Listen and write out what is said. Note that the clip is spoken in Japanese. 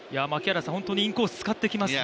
本当にインコース使ってきますよね。